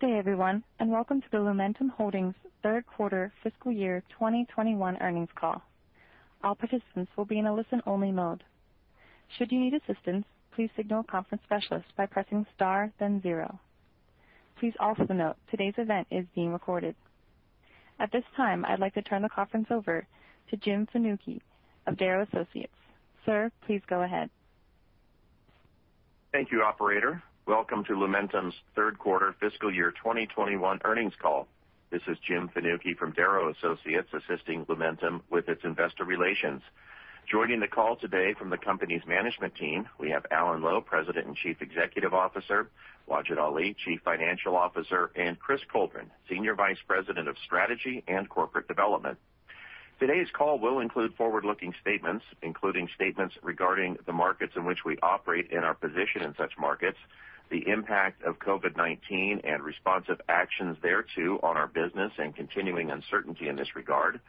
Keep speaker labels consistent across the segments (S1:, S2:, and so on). S1: Good day, everyone. Welcome to the Lumentum Holdings third quarter fiscal year 2021 earnings call. All participants will be in a listen-only mode. Should you need assistance, please signal a conference specialist by pressing star then zero. Please also note today's event is being recorded. At this time, I'd like to turn the conference over to Jim Fanucchi of Darrow Associates. Sir, please go ahead.
S2: Thank you, operator. Welcome to Lumentum's third quarter fiscal year 2021 earnings call. This is Jim Fanucchi from Darrow Associates, assisting Lumentum with its investor relations. Joining the call today from the company's management team, we have Alan Lowe, President and Chief Executive Officer, Wajid Ali, Chief Financial Officer, and Chris Coldren, Senior Vice President of Strategy and Corporate Development. Today's call will include forward-looking statements, including statements regarding the markets in which we operate and our position in such markets, the impact of COVID-19 and responsive actions thereto on our business and continuing uncertainty in this regard,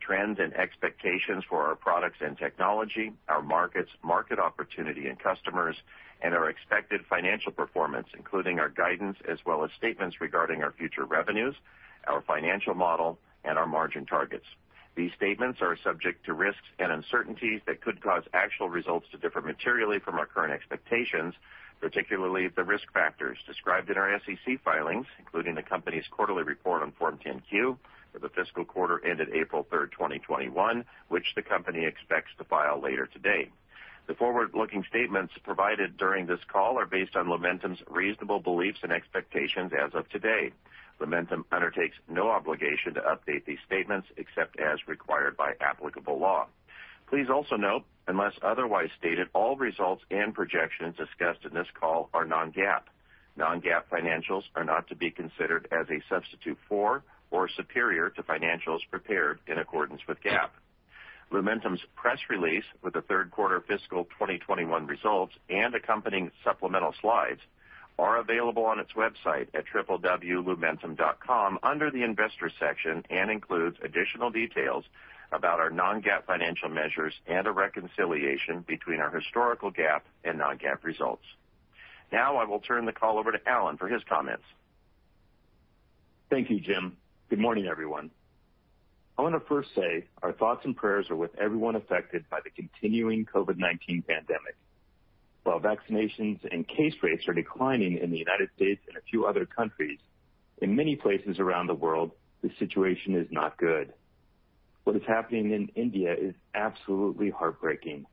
S2: trends and expectations for our products and technology, our markets, market opportunity and customers, and our expected financial performance, including our guidance as well as statements regarding our future revenues, our financial model, and our margin targets. These statements are subject to risks and uncertainties that could cause actual results to differ materially from our current expectations, particularly the risk factors described in our SEC filings, including the company's quarterly report on Form 10-Q for the fiscal quarter ended April 3rd, 2021, which the company expects to file later today. The forward-looking statements provided during this call are based on Lumentum's reasonable beliefs and expectations as of today. Lumentum undertakes no obligation to update these statements except as required by applicable law. Please also note, unless otherwise stated, all results and projections discussed in this call are non-GAAP. Non-GAAP financials are not to be considered as a substitute for or superior to financials prepared in accordance with GAAP. Lumentum's press release with the third quarter fiscal 2021 results and accompanying supplemental slides are available on its website at www.lumentum.com under the Investors section and includes additional details about our non-GAAP financial measures and a reconciliation between our historical GAAP and non-GAAP results. I will turn the call over to Alan for his comments.
S3: Thank you, Jim. Good morning, everyone. I want to first say our thoughts and prayers are with everyone affected by the continuing COVID-19 pandemic. While vaccinations and case rates are declining in the U.S. and a few other countries, in many places around the world, the situation is not good. What is happening in India is absolutely heartbreaking.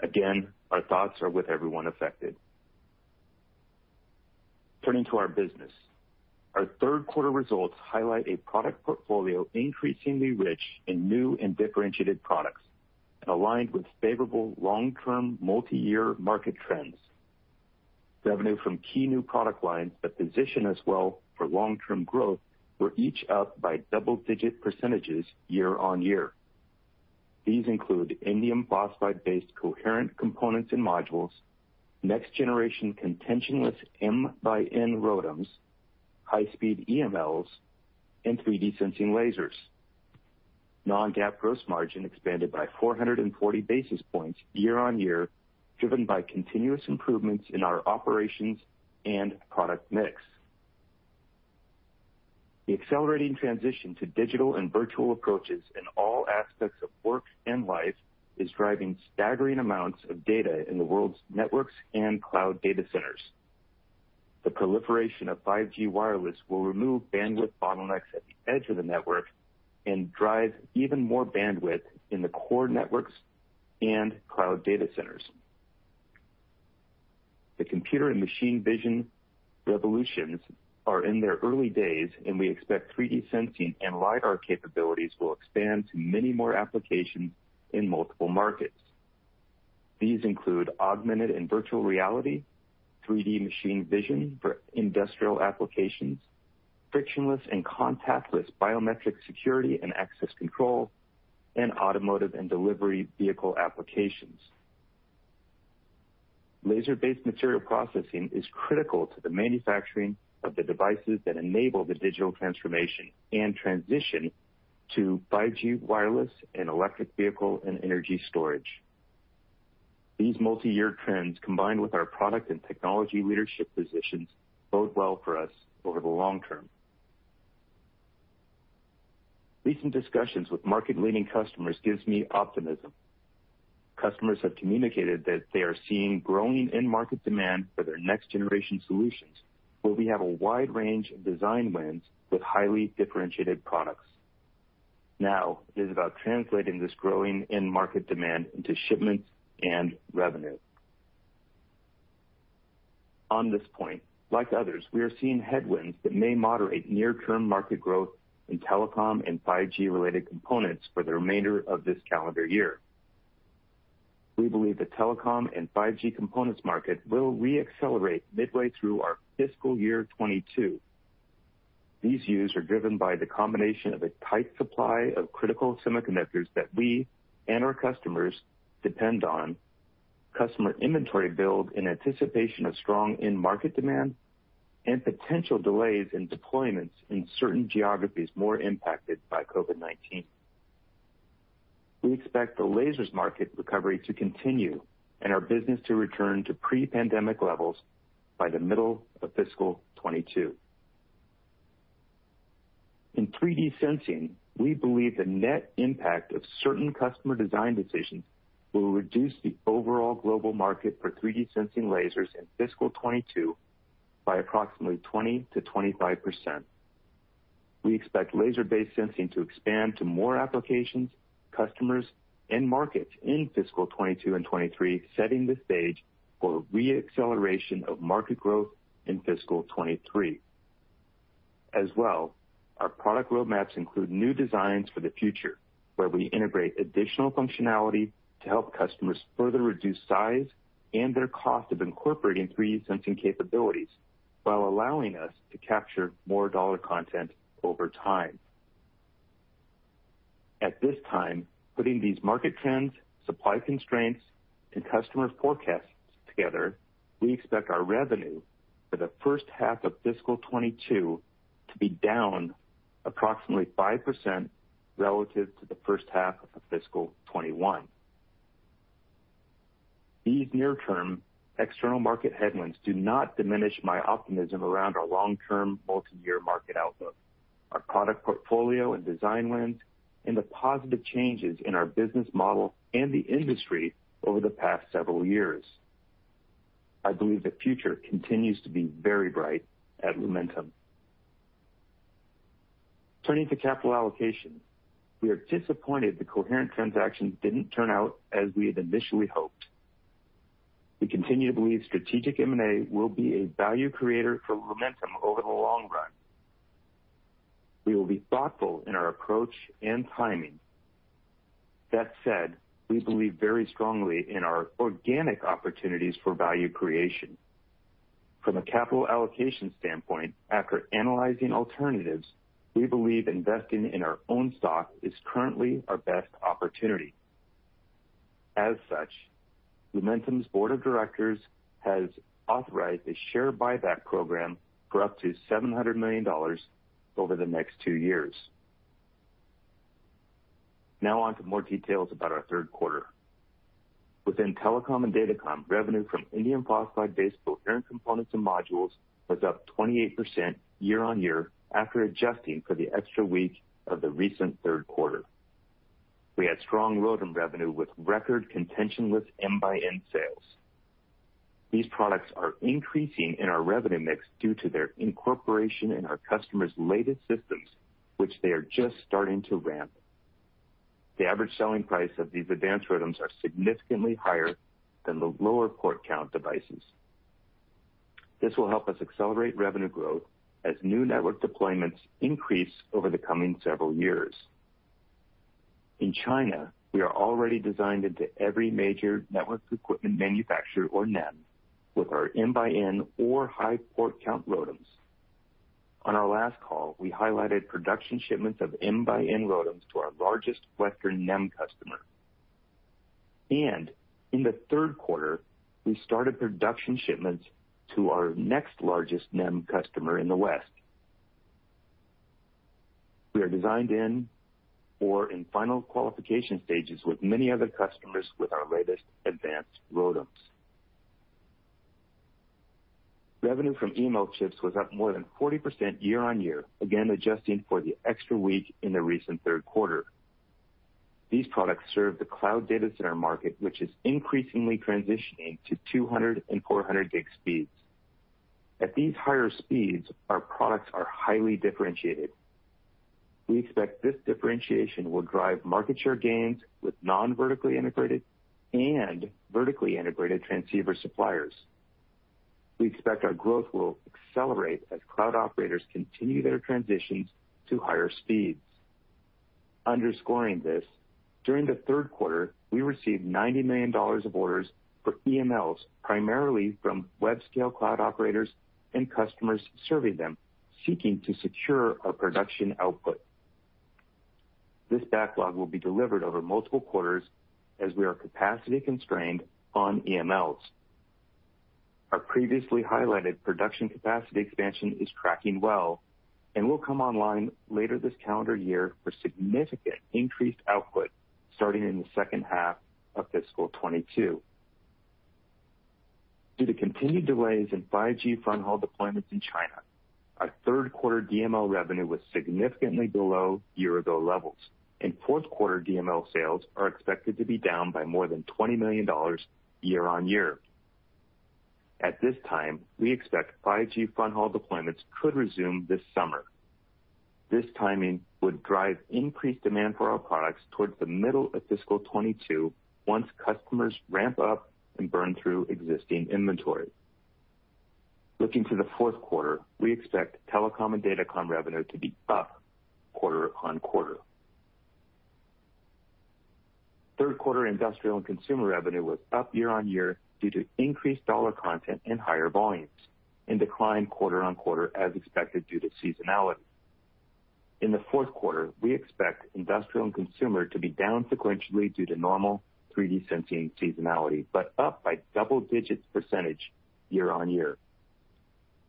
S3: Again, our thoughts are with everyone affected. Turning to our business. Our third quarter results highlight a product portfolio increasingly rich in new and differentiated products, and aligned with favorable long-term, multi-year market trends. Revenue from key new product lines that position us well for long-term growth were each up by double-digit % year-over-year. These include indium phosphide-based coherent components and modules, next generation contentionless MxN ROADMs, high speed EMLs, and 3D sensing lasers. Non-GAAP gross margin expanded by 440 basis points year-on-year, driven by continuous improvements in our operations and product mix. The accelerating transition to digital and virtual approaches in all aspects of work and life is driving staggering amounts of data in the world's networks and cloud data centers. The proliferation of 5G wireless will remove bandwidth bottlenecks at the edge of the network and drive even more bandwidth in the core networks and cloud data centers. The computer and machine vision revolutions are in their early days, and we expect 3D sensing and LiDAR capabilities will expand to many more applications in multiple markets. These include augmented and virtual reality, 3D machine vision for industrial applications, frictionless and contactless biometric security and access control, and automotive and delivery vehicle applications. Laser-based material processing is critical to the manufacturing of the devices that enable the digital transformation and transition to 5G wireless and electric vehicle and energy storage. These multi-year trends, combined with our product and technology leadership positions, bode well for us over the long term. Recent discussions with market-leading customers gives me optimism. Customers have communicated that they are seeing growing end market demand for their next generation solutions, where we have a wide range of design wins with highly differentiated products. Now it is about translating this growing end market demand into shipments and revenue. On this point, like others, we are seeing headwinds that may moderate near-term market growth in telecom and 5G-related components for the remainder of this calendar year. We believe the telecom and 5G components market will re-accelerate midway through our fiscal year 2022. These views are driven by the combination of a tight supply of critical semiconductors that we and our customers depend on, customer inventory build in anticipation of strong end market demand, and potential delays in deployments in certain geographies more impacted by COVID-19. We expect the lasers market recovery to continue and our business to return to pre-pandemic levels by the middle of fiscal 2022. In 3D sensing, we believe the net impact of certain customer design decisions will reduce the overall global market for 3D sensing lasers in fiscal 2022 by approximately 20%-25%. We expect laser-based sensing to expand to more applications, customers, and markets in fiscal 2022 and 2023, setting the stage for a re-acceleration of market growth in fiscal 2023. Our product roadmaps include new designs for the future, where we integrate additional functionality to help customers further reduce size and their cost of incorporating 3D sensing capabilities, while allowing us to capture more dollar content over time. At this time, putting these market trends, supply constraints, and customer forecasts together, we expect our revenue for the first half of fiscal 2022 to be down approximately 5% relative to the first half of fiscal 2021. These near-term external market headwinds do not diminish my optimism around our long-term, multi-year market outlook, our product portfolio and design wins, and the positive changes in our business model and the industry over the past several years. I believe the future continues to be very bright at Lumentum. Turning to capital allocation. We are disappointed the Coherent transaction didn't turn out as we had initially hoped. We continue to believe strategic M&A will be a value creator for Lumentum over the long run. We will be thoughtful in our approach and timing. That said, we believe very strongly in our organic opportunities for value creation. From a capital allocation standpoint, after analyzing alternatives, we believe investing in our own stock is currently our best opportunity. As such, Lumentum's Board of Directors has authorized a share buyback program for up to $700 million over the next two years. Now on to more details about our third quarter. Within telecom and datacom, revenue from indium phosphide-based coherent components and modules was up 28% year-on-year after adjusting for the extra week of the recent third quarter. We had strong ROADM revenue with record contention-less MxN sales. These products are increasing in our revenue mix due to their incorporation in our customers' latest systems, which they are just starting to ramp. The average selling price of these advanced ROADMs are significantly higher than the lower port count devices. This will help us accelerate revenue growth as new network deployments increase over the coming several years. In China, we are already designed into every major network equipment manufacturer, or NEM, with our MxN or high port count ROADMs. On our last call, we highlighted production shipments of MxN ROADMs to our largest Western NEM customer. In the third quarter, we started production shipments to our next largest NEM customer in the West. We are designed in or in final qualification stages with many other customers with our latest advanced ROADMs. Revenue from EML chips was up more than 40% year-on-year, again, adjusting for the extra week in the recent third quarter. These products serve the cloud data center market, which is increasingly transitioning to 200 and 400 gig speeds. At these higher speeds, our products are highly differentiated. We expect this differentiation will drive market share gains with non-vertically integrated and vertically integrated transceiver suppliers. We expect our growth will accelerate as cloud operators continue their transitions to higher speeds. Underscoring this, during the third quarter, we received $90 million of orders for EMLs, primarily from web scale cloud operators and customers serving them, seeking to secure our production output. This backlog will be delivered over multiple quarters as we are capacity constrained on EMLs. Our previously highlighted production capacity expansion is tracking well and will come online later this calendar year for significant increased output starting in the second half of fiscal 2022. Due to continued delays in 5G fronthaul deployments in China, our third quarter DML revenue was significantly below year-ago levels, and fourth quarter DML sales are expected to be down by more than $20 million year-on-year. At this time, we expect 5G fronthaul deployments could resume this summer. This timing would drive increased demand for our products towards the middle of fiscal 2022 once customers ramp up and burn through existing inventory. Looking to the fourth quarter, we expect telecom and datacom revenue to be up quarter-on-quarter. Third quarter industrial and consumer revenue was up year-on-year due to increased dollar content and higher volumes, and declined quarter-on-quarter as expected due to seasonality. In the fourth quarter, we expect industrial and consumer to be down sequentially due to normal 3D sensing seasonality, but up by double digits percentage year-on-year.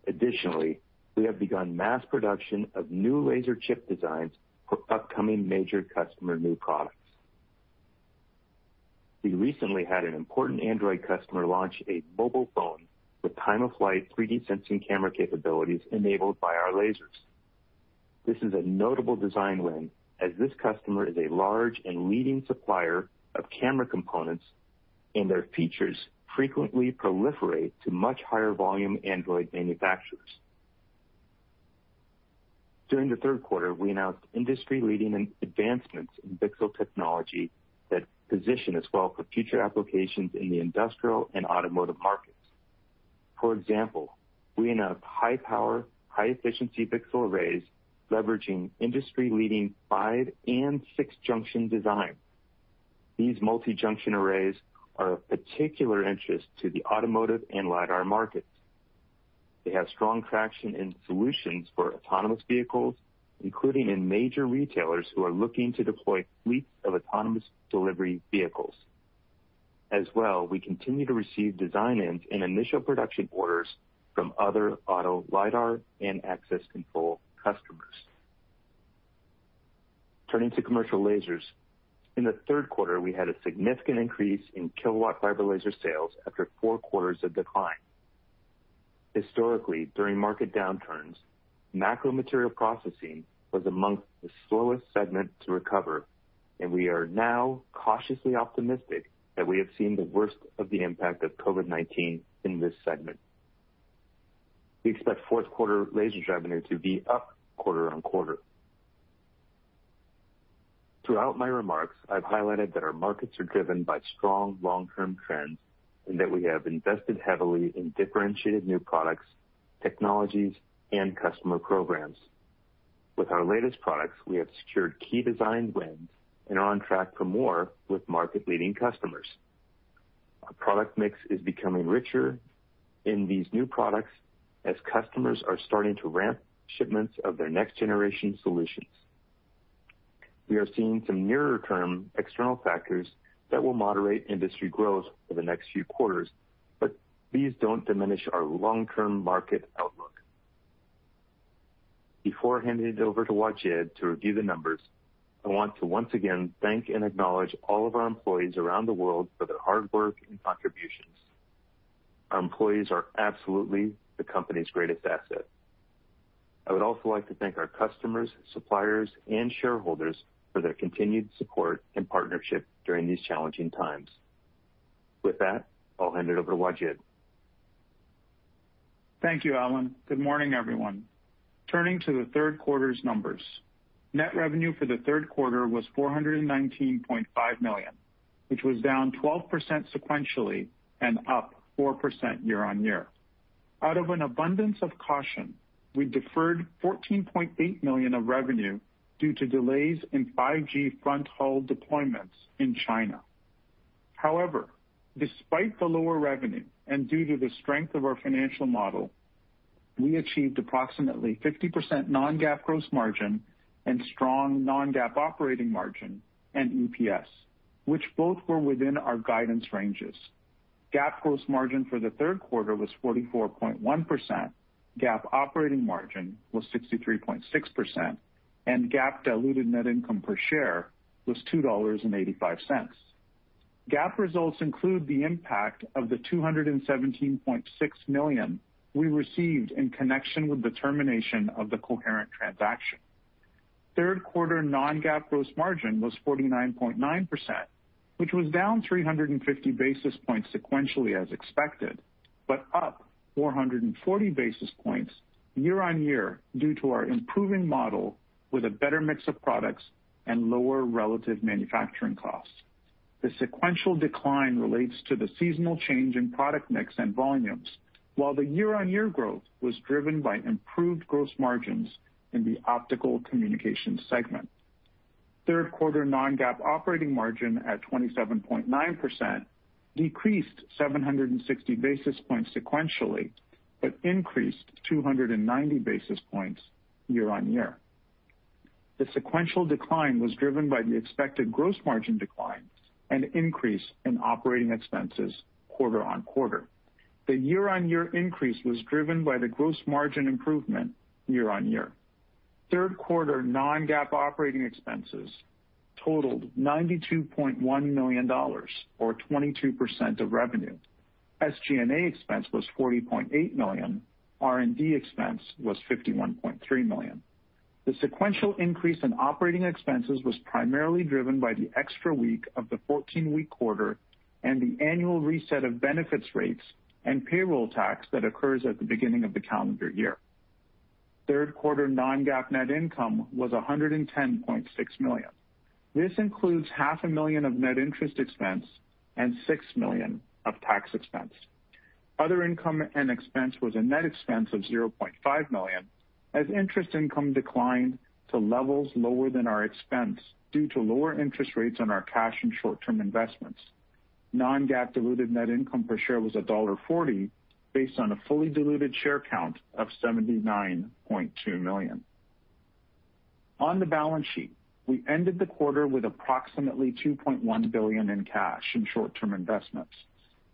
S3: Additionally, we have begun mass production of new laser chip designs for upcoming major customer new products. We recently had an important Android customer launch a mobile phone with time-of-flight 3D sensing camera capabilities enabled by our lasers. This is a notable design win, as this customer is a large and leading supplier of camera components, and their features frequently proliferate to much higher volume Android manufacturers. During the third quarter, we announced industry-leading advancements in VCSEL technology that position us well for future applications in the industrial and automotive markets. For example, we announced high power, high efficiency VCSEL arrays leveraging industry-leading five and six-junction design. These multi-junction arrays are of particular interest to the automotive and LiDAR markets. They have strong traction in solutions for autonomous vehicles, including in major retailers who are looking to deploy fleets of autonomous delivery vehicles. We continue to receive design-ins and initial production orders from other auto LiDAR and access control customers. Turning to commercial lasers, in the third quarter, we had a significant increase in kilowatt fiber laser sales after four quarters of decline. Historically, during market downturns, macro material processing was amongst the slowest segment to recover. We are now cautiously optimistic that we have seen the worst of the impact of COVID-19 in this segment. We expect fourth quarter lasers revenue to be up quarter-on-quarter. Throughout my remarks, I've highlighted that our markets are driven by strong long-term trends, and that we have invested heavily in differentiated new products, technologies, and customer programs. With our latest products, we have secured key design wins and are on track for more with market-leading customers. Our product mix is becoming richer in these new products as customers are starting to ramp shipments of their next generation solutions. We are seeing some nearer-term external factors that will moderate industry growth for the next few quarters, but these don't diminish our long-term market outlook. Before handing it over to Wajid to review the numbers, I want to once again thank and acknowledge all of our employees around the world for their hard work and contributions. Our employees are absolutely the company's greatest asset. I would also like to thank our customers, suppliers, and shareholders for their continued support and partnership during these challenging times. With that, I'll hand it over to Wajid.
S4: Thank you, Alan. Good morning, everyone. Turning to the third quarter's numbers. Net revenue for the third quarter was $419.5 million, which was down 12% sequentially and up 4% year-on-year. Out of an abundance of caution, we deferred $14.8 million of revenue due to delays in 5G front-haul deployments in China. However, despite the lower revenue and due to the strength of our financial model, we achieved approximately 50% non-GAAP gross margin and strong non-GAAP operating margin and EPS, which both were within our guidance ranges. GAAP gross margin for the third quarter was 44.1%, GAAP operating margin was 63.6%, and GAAP diluted net income per share was $2.85. GAAP results include the impact of the $217.6 million we received in connection with the termination of the Coherent transaction. Third quarter non-GAAP gross margin was 49.9%, which was down 350 basis points sequentially as expected, but up 440 basis points year-on-year due to our improving model with a better mix of products and lower relative manufacturing costs. The sequential decline relates to the seasonal change in product mix and volumes, while the year-on-year growth was driven by improved gross margins in the optical communications segment. Third quarter non-GAAP operating margin at 27.9% decreased 760 basis points sequentially, but increased 290 basis points year-on-year. The sequential decline was driven by the expected gross margin decline and increase in operating expenses quarter-on-quarter. The year-on-year increase was driven by the gross margin improvement year-on-year. Third quarter non-GAAP operating expenses totaled $92.1 million, or 22% of revenue. SG&A expense was $40.8 million, R&D expense was $51.3 million. The sequential increase in operating expenses was primarily driven by the extra week of the 14-week quarter and the annual reset of benefits rates and payroll tax that occurs at the beginning of the calendar year. Third quarter non-GAAP net income was $110.6 million. This includes half a million of net interest expense and $6 million of tax expense. Other income and expense was a net expense of $0.5 million, as interest income declined to levels lower than our expense due to lower interest rates on our cash and short-term investments. Non-GAAP diluted net income per share was $1.40 based on a fully diluted share count of 79.2 million. On the balance sheet, we ended the quarter with approximately $2.1 billion in cash and short-term investments,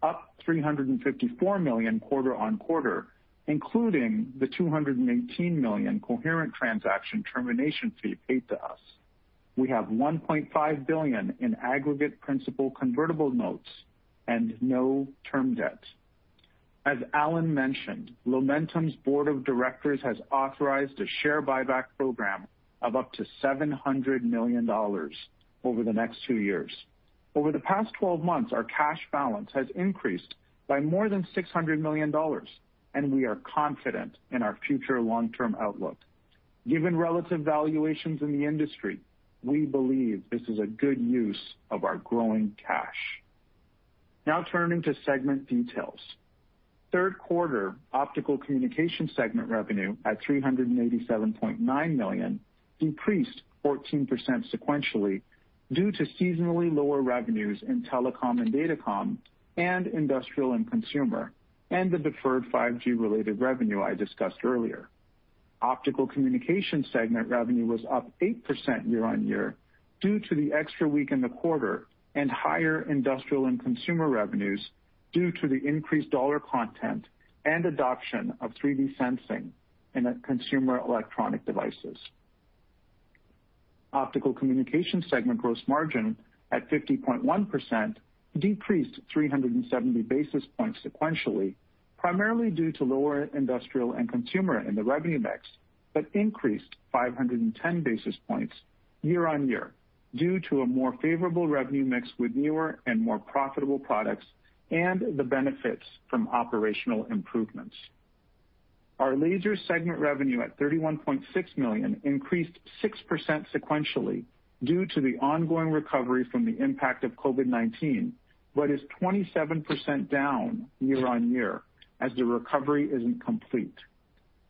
S4: up $354 million quarter-on-quarter, including the $218 million Coherent transaction termination fee paid to us. We have $1.5 billion in aggregate principal convertible notes and no term debt. As Alan mentioned, Lumentum's board of directors has authorized a share buyback program of up to $700 million over the next two years. Over the past 12 months, our cash balance has increased by more than $600 million, and we are confident in our future long-term outlook. Given relative valuations in the industry, we believe this is a good use of our growing cash. Now turning to segment details. Third quarter optical communication segment revenue at $387.9 million decreased 14% sequentially due to seasonally lower revenues in telecom and datacom, and industrial and consumer, and the deferred 5G-related revenue I discussed earlier. Optical communication segment revenue was up 8% year-on-year due to the extra week in the quarter and higher industrial and consumer revenues due to the increased dollar content and adoption of 3D sensing in consumer electronic devices. Optical communication segment gross margin at 50.1% decreased 370 basis points sequentially, primarily due to lower industrial and consumer in the revenue mix, but increased 510 basis points year-on-year due to a more favorable revenue mix with newer and more profitable products and the benefits from operational improvements. Our lasers segment revenue at $31.6 million increased 6% sequentially due to the ongoing recovery from the impact of COVID-19, but is 27% down year-on-year as the recovery isn't complete.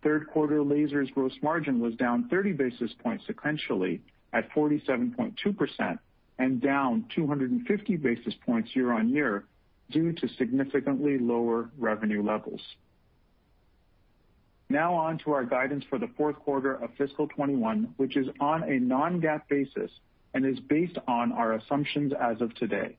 S4: Third quarter lasers gross margin was down 30 basis points sequentially at 47.2% and down 250 basis points year-on-year due to significantly lower revenue levels. Now on to our guidance for the fourth quarter of fiscal 2021, which is on a non-GAAP basis and is based on our assumptions as of today.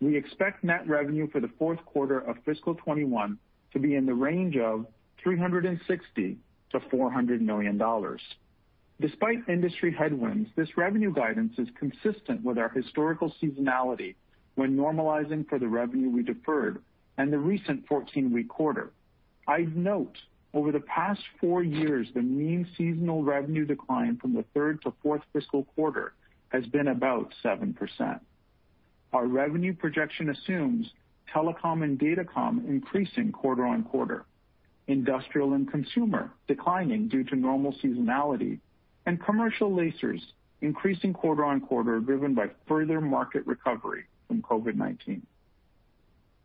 S4: We expect net revenue for the fourth quarter of fiscal 2021 to be in the range of $360 million-$400 million. Despite industry headwinds, this revenue guidance is consistent with our historical seasonality when normalizing for the revenue we deferred and the recent 14-week quarter. I'd note, over the past four years, the mean seasonal revenue decline from the third to fourth fiscal quarter has been about 7%. Our revenue projection assumes telecom and datacom increasing quarter-on-quarter, industrial and consumer declining due to normal seasonality, and commercial lasers increasing quarter-on-quarter, driven by further market recovery from COVID-19.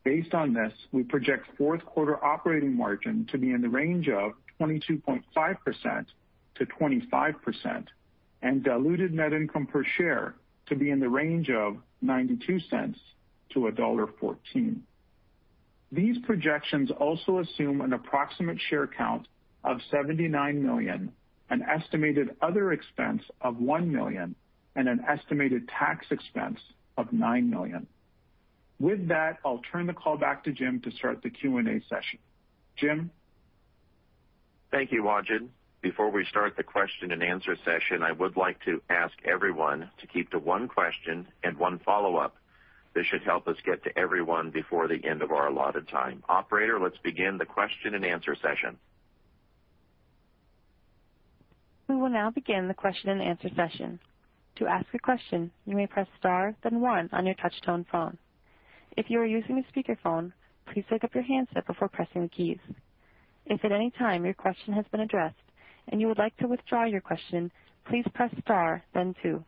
S4: Based on this, we project fourth quarter operating margin to be in the range of 22.5%-25% and diluted net income per share to be in the range of $0.92-$1.14. These projections also assume an approximate share count of 79 million, an estimated other expense of $1 million, and an estimated tax expense of $9 million. With that, I'll turn the call back to Jim to start the Q&A session. Jim?
S2: Thank you, Wajid. Before we start the question and answer session, I would like to ask everyone to keep to one question and one follow-up. This should help us get to everyone before the end of our allotted time. Operator, let's begin the question and answer session.
S1: We will now begin the question and answer session. To ask a question, you may press star then one on your touchtone phone. If you're using a speaker phone, please pick up your handset before pressing keys. At anytime your question has been addressed, and you would like to withdraw your question, please press star then two.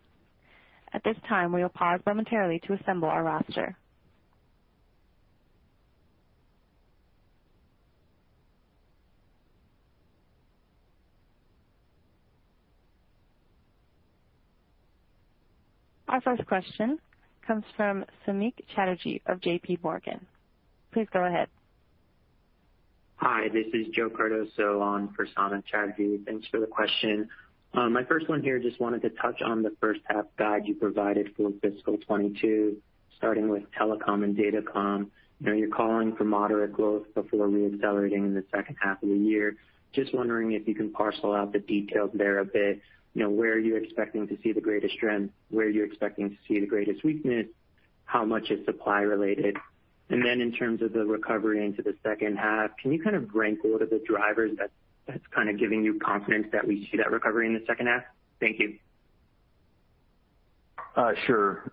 S1: At this time we'll pause momentarily to assemble our roster. Our first question comes from Samik Chatterjee of JPMorgan. Please go ahead.
S5: Hi, this is Joseph Cardoso on for Samik Chatterjee. Thanks for the question. My first one here, just wanted to touch on the first half guide you provided for fiscal 2022, starting with telecom and datacom. You're calling for moderate growth before re-accelerating in the second half of the year. Just wondering if you can parcel out the details there a bit. Where are you expecting to see the greatest strength? Where are you expecting to see the greatest weakness? How much is supply related? In terms of the recovery into the second half, can you kind of rank order the drivers that's giving you confidence that we see that recovery in the second half? Thank you.
S4: Sure.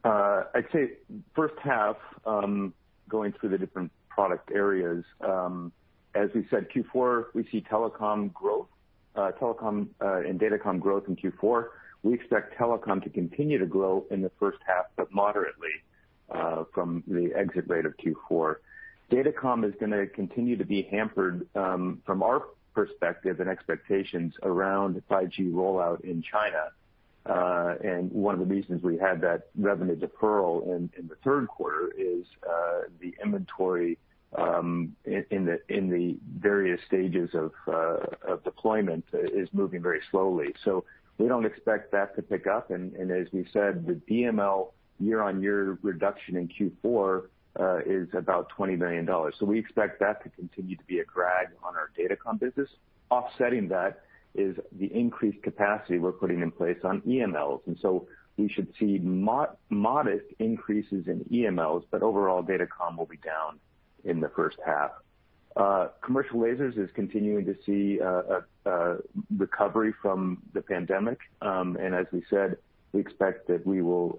S4: I'd say first half, going through the different product areas. As we said, Q4, we see telecom and datacom growth in Q4. We expect telecom to continue to grow in the first half, but moderately.
S3: From the exit rate of Q4. Datacom is going to continue to be hampered from our perspective and expectations around 5G rollout in China. One of the reasons we had that revenue deferral in the third quarter is the inventory in the various stages of deployment is moving very slowly. We don't expect that to pick up, as we said, the DML year-on-year reduction in Q4 is about $20 million. We expect that to continue to be a drag on our Datacom business. Offsetting that is the increased capacity we're putting in place on EMLs, we should see modest increases in EMLs, overall Datacom will be down in the first half. Commercial lasers is continuing to see a recovery from the pandemic. As we said, we expect that we will,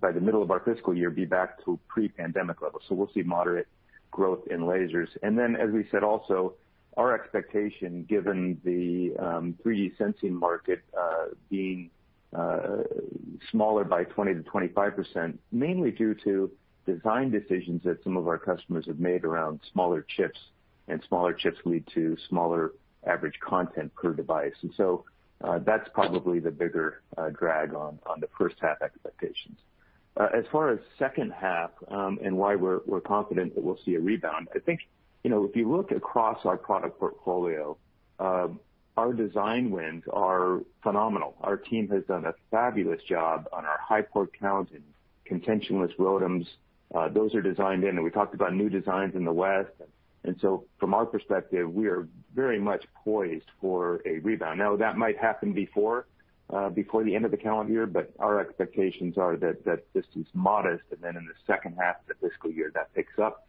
S3: by the middle of our fiscal year, be back to pre-pandemic levels. We'll see moderate growth in lasers. As we said also, our expectation given the 3D sensing market being smaller by 20% to 25%, mainly due to design decisions that some of our customers have made around smaller chips, and smaller chips lead to smaller average content per device. That's probably the bigger drag on the first half expectations. As far as second half and why we're confident that we'll see a rebound, I think if you look across our product portfolio, our design wins are phenomenal. Our team has done a fabulous job on our high port count and contention-less ROADMs. Those are designed in, and we talked about new designs in the West. From our perspective, we are very much poised for a rebound. That might happen before the end of the calendar year, but our expectations are that this is modest, and then in the second half of the fiscal year, that picks up.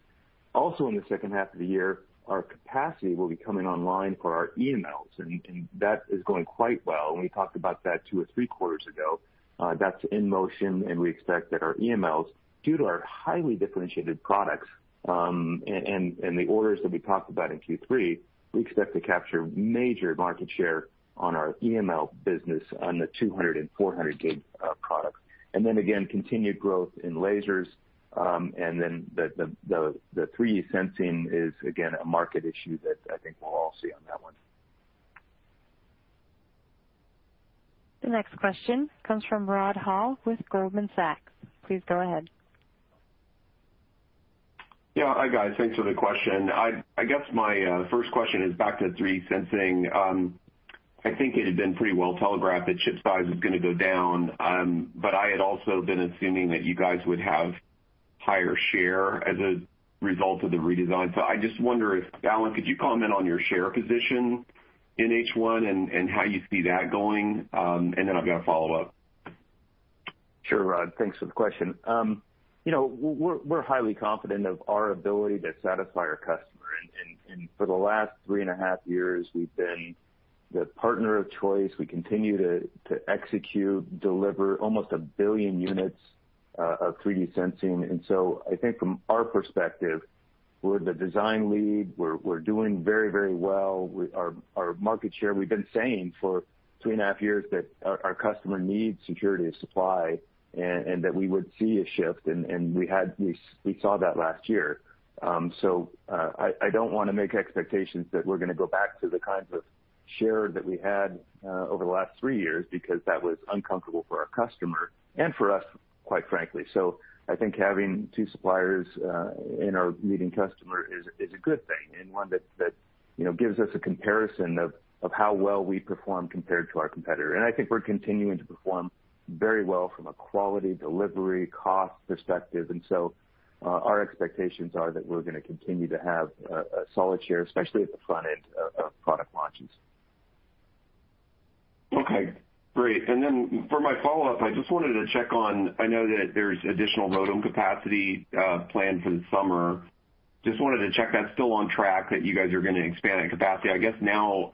S3: Also in the second half of the year, our capacity will be coming online for our EMLs, and that is going quite well. We talked about that two or three quarters ago. That's in motion, and we expect that our EMLs, due to our highly differentiated products, and the orders that we talked about in Q3, we expect to capture major market share on our EML business on the 200 and 400 gig products. Again, continued growth in lasers. The 3D sensing is again, a market issue that I think we'll all see on that one.
S1: The next question comes from Rod Hall with Goldman Sachs. Please go ahead.
S6: Yeah. Hi, guys. Thanks for the question. I guess my first question is back to the 3D sensing. I think it had been pretty well telegraphed that chip size is going to go down. I had also been assuming that you guys would have higher share as a result of the redesign. I just wonder if, Alan, could you comment on your share position in H1 and how you see that going? I've got a follow-up.
S3: Sure, Rod. Thanks for the question. We're highly confident of our ability to satisfy our customer. For the last three and a half years, we've been the partner of choice. We continue to execute, deliver almost a billion units of 3D sensing. I think from our perspective, we're the design lead. We're doing very well with our market share. We've been saying for two and a half years that our customer needs security of supply and that we would see a shift, and we saw that last year. I don't want to make expectations that we're going to go back to the kinds of share that we had over the last three years because that was uncomfortable for our customer and for us, quite frankly. I think having two suppliers in our leading customer is a good thing and one that gives us a comparison of how well we perform compared to our competitor. I think we're continuing to perform very well from a quality delivery cost perspective. Our expectations are that we're going to continue to have a solid share, especially at the front end of product launches.
S6: Okay. Great. For my follow-up, I just wanted to check on, I know that there's additional ROADM capacity planned for the summer. Just wanted to check that's still on track, that you guys are going to expand that capacity. I guess now,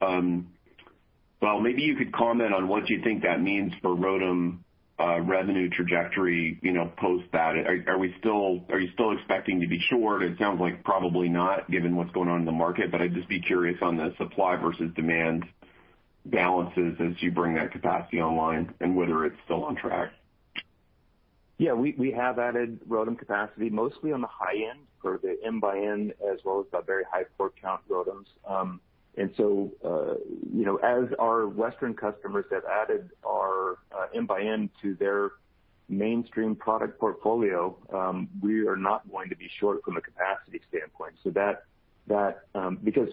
S6: well, maybe you could comment on what you think that means for ROADM revenue trajectory post that. Are you still expecting to be short? It sounds like probably not given what's going on in the market, but I'd just be curious on the supply versus demand balances as you bring that capacity online and whether it's still on track.
S3: Yeah. We have added ROADM capacity mostly on the high end for the MxN as well as our very high port count ROADMs. As our Western customers have added our MxN to their mainstream product portfolio, we are not going to be short from a capacity standpoint. Because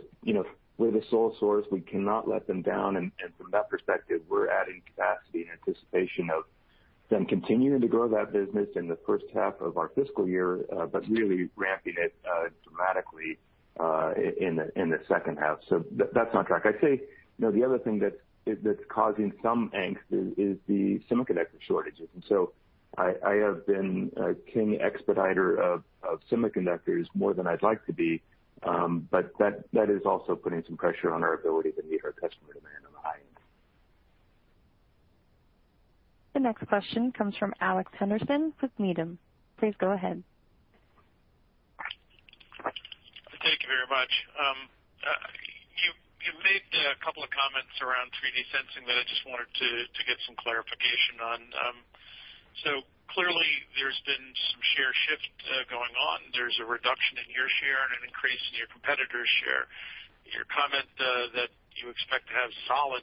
S3: we're the sole source, we cannot let them down, and from that perspective, we're adding capacity in anticipation of them continuing to grow that business in the first half of our fiscal year, but really ramping it dramatically in the second half. That's on track. I'd say the other thing that's causing some angst is the semiconductor shortages. I have been a king expediter of semiconductors more than I'd like to be. That is also putting some pressure on our ability to meet our customer demand on the high end.
S1: The next question comes from Alex Henderson with Needham. Please go ahead.
S7: Thank you very much. You made a couple of comments around 3D sensing that I just wanted to get some clarification on. Clearly there's been some share shift going on. There's a reduction in your share and an increase in your competitor's share. Your comment that you expect to have solid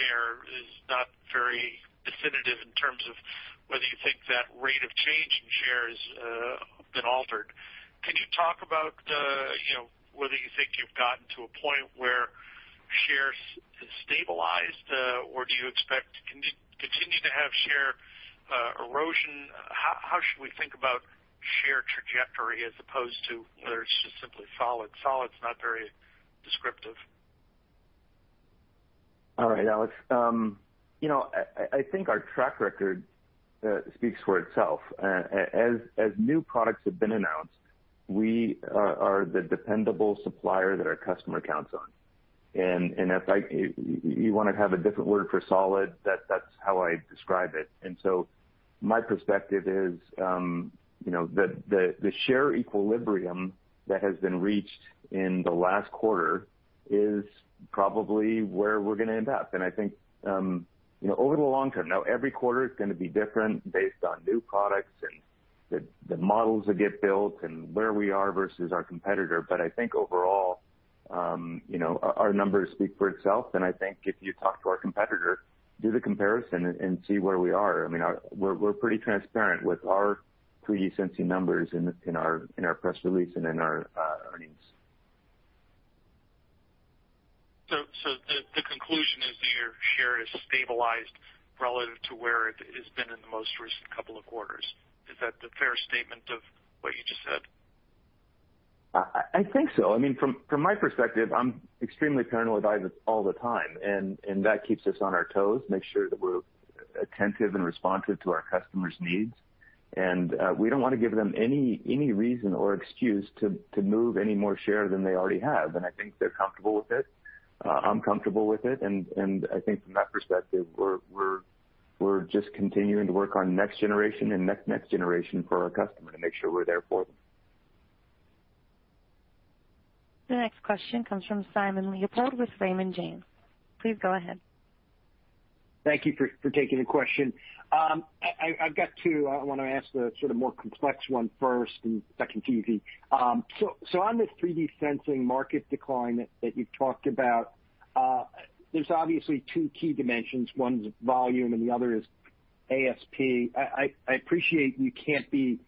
S7: share is not very definitive in terms of whether you think that rate of change in share has been altered. Can you talk about whether you think you've gotten to a point where share has stabilized, or do you expect to continue to have share erosion? How should we think about share trajectory as opposed to whether it's just simply solid? Solid is not very descriptive.
S3: All right, Alex. I think our track record speaks for itself. As new products have been announced, we are the dependable supplier that our customer counts on. If you want to have a different word for solid, that's how I describe it. My perspective is that the share equilibrium that has been reached in the last quarter is probably where we're going to end up. I think, over the long term, now, every quarter is going to be different based on new products and the models that get built and where we are versus our competitor. I think overall, our numbers speak for itself. I think if you talk to our competitor, do the comparison and see where we are. We're pretty transparent with our 3D sensing numbers in our press release and in our earnings.
S7: The conclusion is that your share has stabilized relative to where it has been in the most recent couple of quarters. Is that a fair statement of what you just said?
S3: I think so. From my perspective, I'm extremely paranoid about it all the time, that keeps us on our toes, make sure that we're attentive and responsive to our customers' needs. We don't want to give them any reason or excuse to move any more share than they already have. I think they're comfortable with it. I'm comfortable with it, and I think from that perspective, we're just continuing to work on next generation and next-next generation for our customer to make sure we're there for them.
S1: The next question comes from Simon Leopold with Raymond James. Please go ahead.
S8: Thank you for taking the question. I want to ask the sort of more complex one first and second, easy. On this 3D sensing market decline that you've talked about, there's obviously two key dimensions. One is volume and the other is ASP. I appreciate you can't be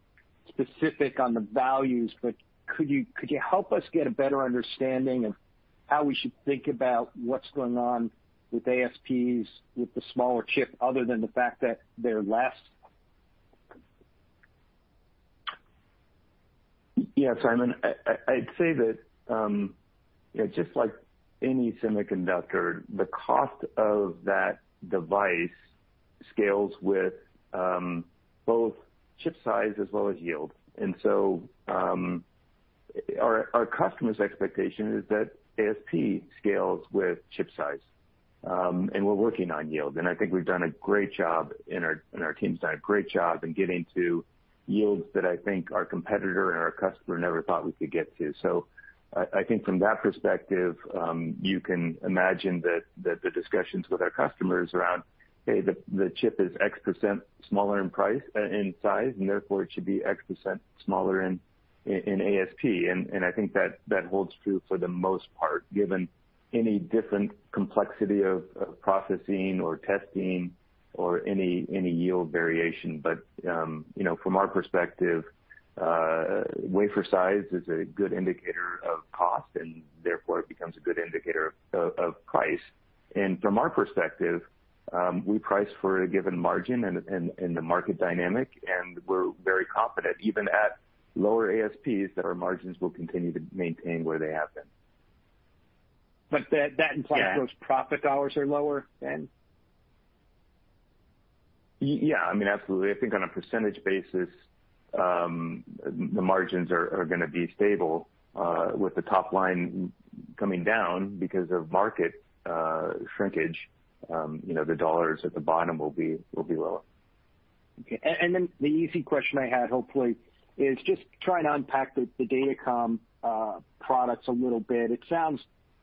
S8: specific on the values, but could you help us get a better understanding of how we should think about what's going on with ASPs with the smaller chip other than the fact that they're less?
S3: Simon, I'd say that, just like any semiconductor, the cost of that device scales with both chip size as well as yield. Our customer's expectation is that ASP scales with chip size, and we're working on yield. I think we've done a great job, and our team's done a great job in getting to yields that I think our competitor and our customer never thought we could get to. I think from that perspective, you can imagine that the discussions with our customers around, hey, the chip is X% smaller in size, and therefore it should be X% smaller in ASP. I think that holds true for the most part, given any different complexity of processing or testing or any yield variation. From our perspective, wafer size is a good indicator of cost, and therefore it becomes a good indicator of price. From our perspective, we price for a given margin and the market dynamic, and we're very confident, even at lower ASPs, that our margins will continue to maintain where they have been.
S8: That implies those profit dollars are lower then?
S3: Yeah. Absolutely. I think on a percentage basis, the margins are going to be stable, with the top line coming down because of market shrinkage. The dollars at the bottom will be lower.
S8: Okay. The easy question I had, hopefully, is just trying to unpack the Datacom products a little bit. It sounds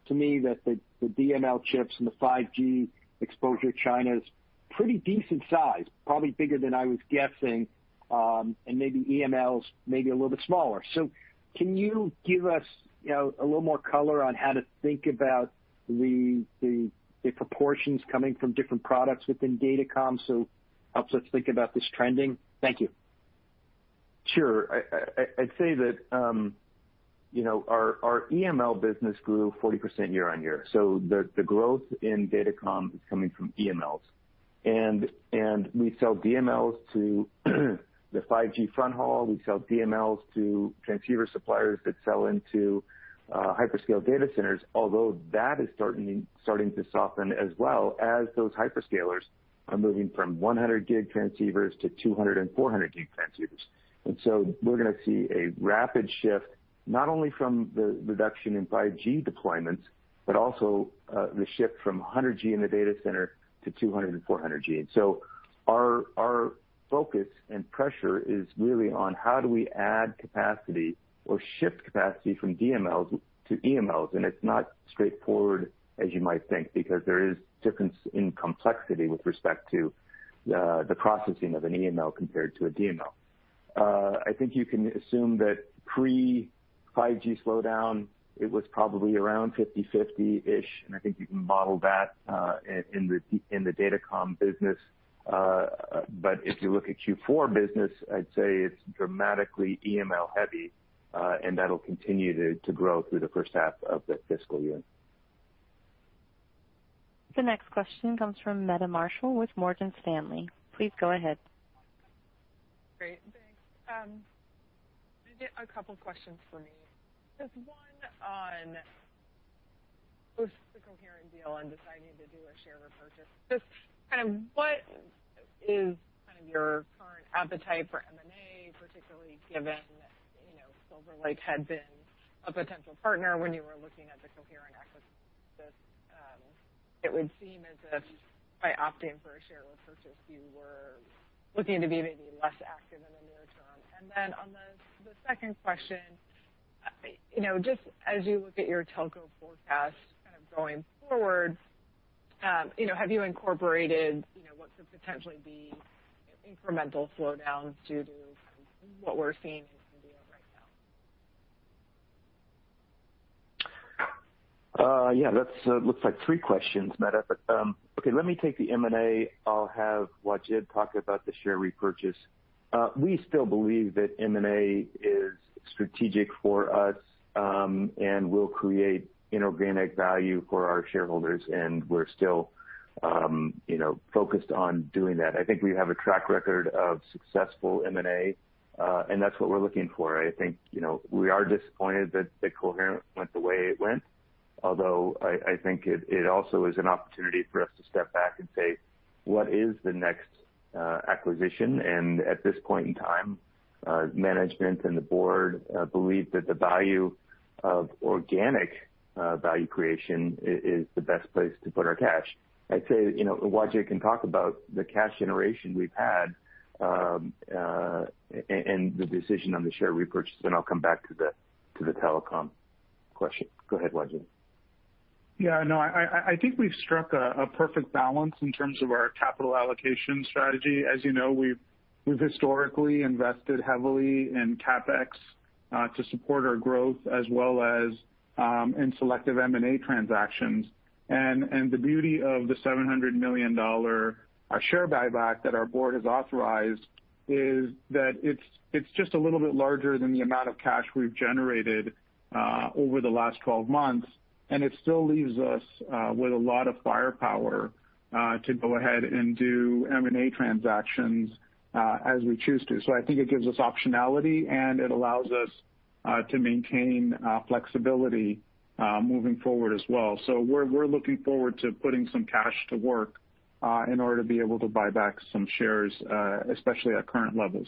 S8: to me that the DML chips and the 5G exposure China is pretty decent size, probably bigger than I was guessing, and maybe EML maybe a little bit smaller. Can you give us a little more color on how to think about the proportions coming from different products within Datacom, so helps us think about this trending? Thank you.
S3: Sure. I'd say that our EML business grew 40% year-over-year. The growth in Datacom is coming from EMLs. We sell DMLs to the 5G fronthaul. We sell DMLs to transceiver suppliers that sell into hyperscale data centers. Although that is starting to soften as well as those hyperscalers are moving from 100G transceivers to 200G and 400G transceivers. We're going to see a rapid shift not only from the reduction in 5G deployments, but also the shift from 100G in the data center to 200G and 400G. Our focus and pressure is really on how do we add capacity or shift capacity from DMLs to EMLs, and it's not straightforward as you might think, because there is difference in complexity with respect to the processing of an EML compared to a DML. I think you can assume that pre 5G slowdown, it was probably around 50/50-ish, and I think you can model that in the datacom business. If you look at Q4 business, I'd say it's dramatically EML heavy, and that'll continue to grow through the first half of the fiscal year.
S1: The next question comes from Meta Marshall with Morgan Stanley. Please go ahead.
S9: Great. Thanks. I get a couple questions for me. One on with the Coherent deal and deciding to do a share repurchase. What is your current appetite for M&A, particularly given Silver Lake had been a potential partner when you were looking at the Coherent acquisition. It would seem as if by opting for a share repurchase, you were looking to be maybe less active in the near term. On the second question, as you look at your telco forecast going forward, have you incorporated what could potentially be incremental slowdowns due to what we're seeing in India right now?
S3: Yeah, that looks like three questions, Meta. Okay, let me take the M&A. I'll have Wajid talk about the share repurchase. We still believe that M&A is strategic for us, and will create inorganic value for our shareholders, and we're still focused on doing that. I think we have a track record of successful M&A, and that's what we're looking for. I think we are disappointed that Coherent went the way it went, although I think it also is an opportunity for us to step back and say, what is the next acquisition? At this point in time, management and the board believe that the value of organic value creation is the best place to put our cash. I'd say Wajid can talk about the cash generation we've had, and the decision on the share repurchase, then I'll come back to the telecom question. Go ahead, Wajid.
S4: Yeah, no, I think we've struck a perfect balance in terms of our capital allocation strategy. As you know, we've historically invested heavily in CapEx to support our growth as well as in selective M&A transactions. The beauty of the $700 million share buyback that our board has authorized is that it's just a little bit larger than the amount of cash we've generated over the last 12 months, and it still leaves us with a lot of firepower to go ahead and do M&A transactions as we choose to. I think it gives us optionality, and it allows us to maintain flexibility moving forward as well. We're looking forward to putting some cash to work in order to be able to buy back some shares, especially at current levels.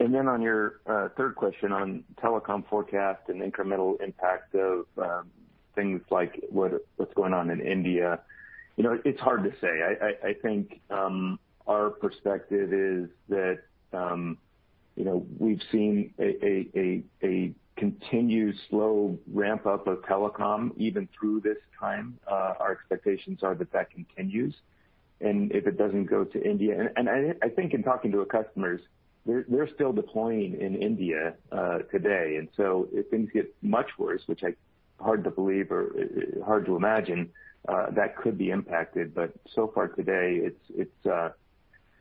S3: On your third question on telecom forecast and incremental impact of things like what's going on in India. It's hard to say. I think our perspective is that we've seen a continued slow ramp-up of telecom even through this time. Our expectations are that that continues. I think in talking to our customers, they're still deploying in India today. If things get much worse, which hard to believe or hard to imagine, that could be impacted. So far today,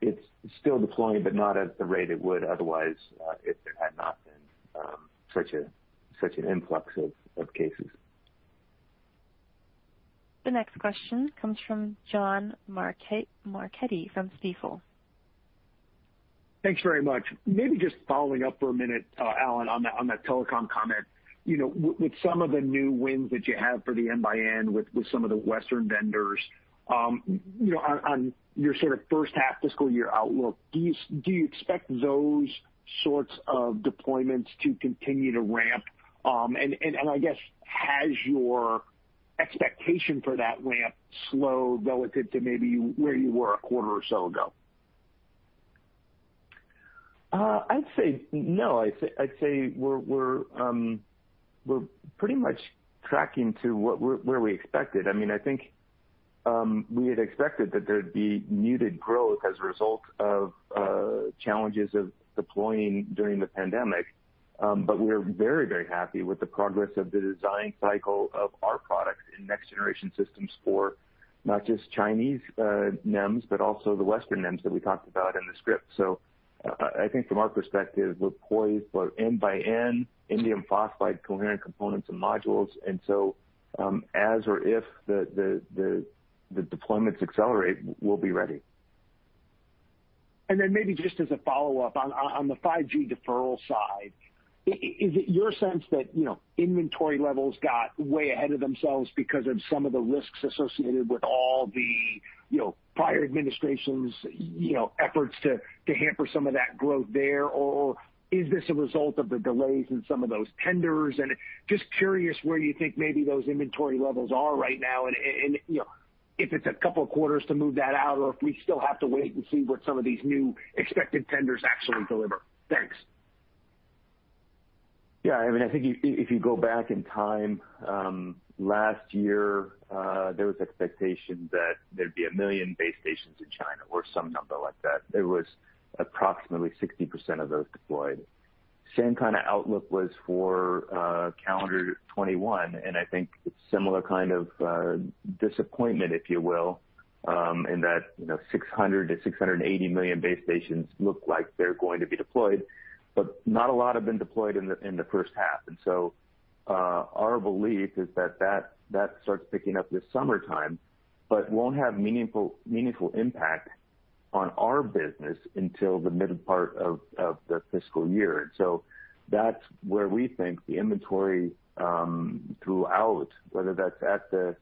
S3: it's still deploying, but not at the rate it would otherwise if there had not been such an influx of cases.
S1: The next question comes from John Marchetti from Stifel.
S10: Thanks very much. Just following up for a minute, Alan, on that telecom comment. With some of the new wins that you have for the M x N with some of the Western vendors, on your sort of first half fiscal year outlook, do you expect those sorts of deployments to continue to ramp? I guess, has your expectation for that ramp slowed relative to maybe where you were a quarter or so ago?
S3: I'd say no. I'd say we're pretty much tracking to where we expected. I think we had expected that there'd be muted growth as a result of challenges of deploying during the pandemic. We're very happy with the progress of the design cycle of our product in next generation systems for not just Chinese NEMs, but also the Western NEMs that we talked about in the script. I think from our perspective, we're poised both M x N, indium phosphide, coherent components and modules. As or if the deployments accelerate, we'll be ready.
S10: Maybe just as a follow-up on the 5G deferral side, is it your sense that inventory levels got way ahead of themselves because of some of the risks associated with all the prior administration's efforts to hamper some of that growth there? Is this a result of the delays in some of those tenders? Just curious where you think maybe those inventory levels are right now and if it's a couple of quarters to move that out, or if we still have to wait and see what some of these new expected tenders actually deliver. Thanks.
S3: I think if you go back in time, last year, there was expectation that there'd be 1 million base stations in China, or some number like that. There was approximately 60% of those deployed. Same kind of outlook was for calendar 2021. I think it's similar kind of disappointment, if you will, in that 600 million-680 million base stations look like they're going to be deployed, but not a lot have been deployed in the first half. Our belief is that starts picking up this summertime, but won't have meaningful impact on our business until the middle part of the fiscal year. That's where we think the inventory throughout, whether that's at the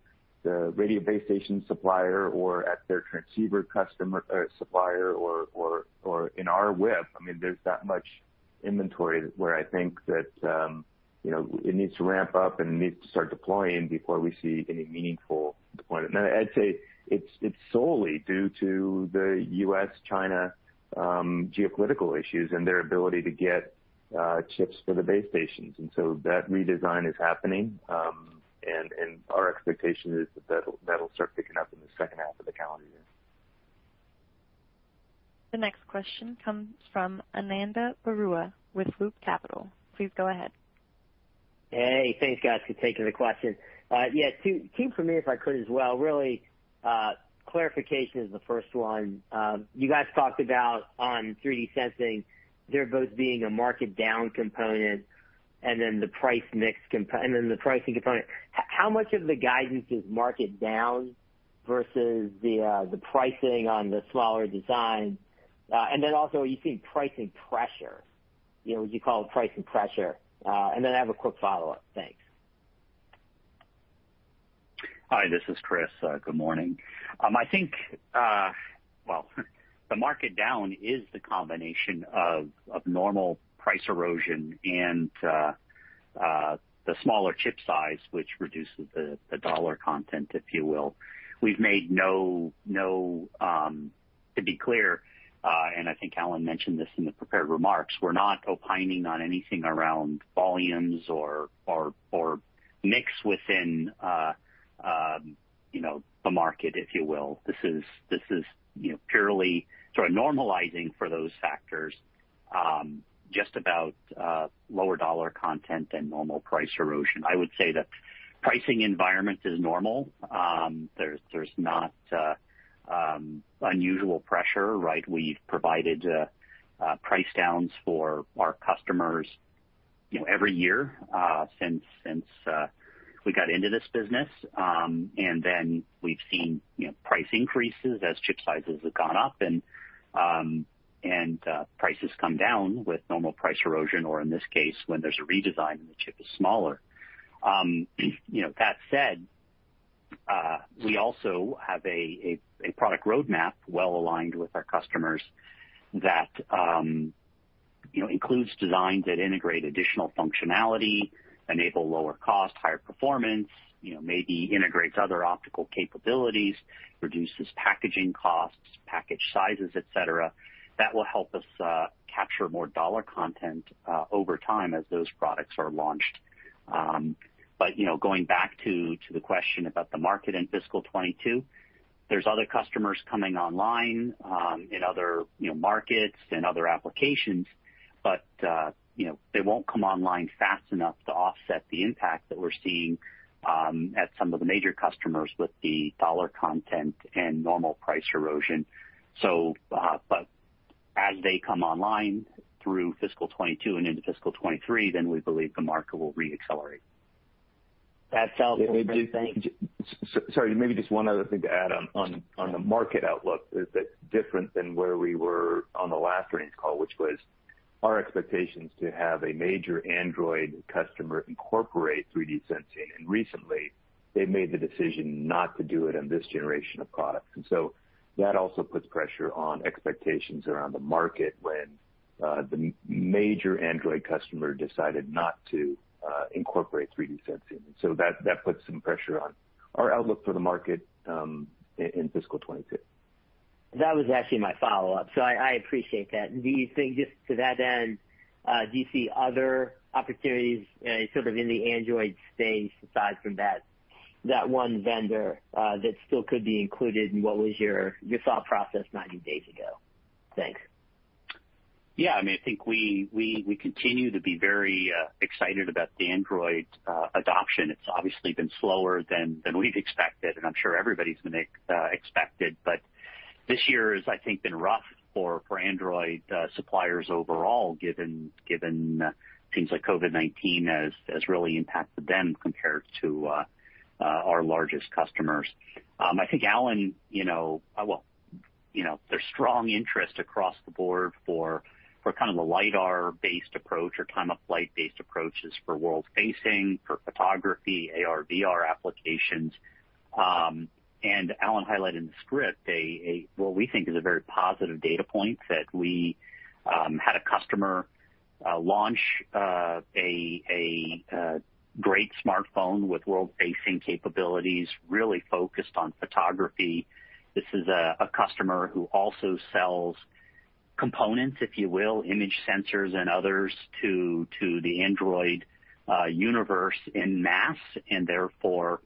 S3: radio base station supplier or at their transceiver supplier or in our web, there's that much inventory where I think that it needs to ramp up and it needs to start deploying before we see any meaningful deployment. I'd say it's solely due to the U.S.-China geopolitical issues and their ability to get chips for the base stations. That redesign is happening. Our expectation is that that'll start picking up in the second half of the calendar year.
S1: The next question comes from Ananda Baruah with Loop Capital. Please go ahead.
S11: Hey, thanks guys for taking the question. Two for me if I could as well. Really, clarification is the first one. You guys talked about on 3D sensing, there both being a market down component and then the pricing component. How much of the guidance is market down versus the pricing on the smaller design? Also you've seen pricing pressure, what you call pricing pressure. I have a quick follow-up. Thanks.
S12: Hi, this is Chris. Good morning. I think, well, the market down is the combination of normal price erosion and the smaller chip size, which reduces the dollar content, if you will. To be clear, and I think Alan mentioned this in the prepared remarks, we're not opining on anything around volumes or mix within the market, if you will. This is purely sort of normalizing for those factors, just about lower dollar content and normal price erosion. I would say the pricing environment is normal. There's not unusual pressure, right? We've provided price downs for our customers every year since we got into this business. We've seen price increases as chip sizes have gone up and prices come down with normal price erosion, or in this case, when there's a redesign and the chip is smaller. That said, we also have a product roadmap well-aligned with our customers that includes designs that integrate additional functionality, enable lower cost, higher performance, maybe integrates other optical capabilities, reduces packaging costs, package sizes, et cetera. That will help us capture more dollar content over time as those products are launched. Going back to the question about the market in fiscal 2022, there's other customers coming online in other markets and other applications, but they won't come online fast enough to offset the impact that we're seeing at some of the major customers with the dollar content and normal price erosion. As they come online through fiscal 2022 and into fiscal 2023, then we believe the market will re-accelerate.
S11: That sounds interesting.
S3: Sorry, maybe just one other thing to add on the market outlook is that different than where we were on the last earnings call, which was our expectations to have a major Android customer incorporate 3D sensing, and recently they made the decision not to do it in this generation of products. That also puts pressure on expectations around the market when the major Android customer decided not to incorporate 3D sensing. That put some pressure on our outlook for the market in fiscal 2022.
S11: That was actually my follow-up. I appreciate that. Do you think, just to that end, do you see other opportunities sort of in the Android space aside from that one vendor that still could be included in what was your thought process 90 days ago? Thanks.
S12: Yeah. I think we continue to be very excited about the Android adoption. It's obviously been slower than we've expected, and I'm sure everybody's expected. This year has, I think, been rough for Android suppliers overall, given things like COVID-19 has really impacted them compared to our largest customers. I think, Alan, there's strong interest across the board for kind of the LiDAR-based approach or time-of-flight based approaches for world-facing, for photography, AR/VR applications. Alan highlighted in the script a, what we think is a very positive data point that we had a customer launch a great smartphone with world-facing capabilities, really focused on photography. This is a customer who also sells components, if you will, image sensors and others, to the Android universe en masse, and therefore,